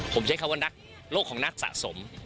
ผมใช้คำว่านักโลกของนักสะสม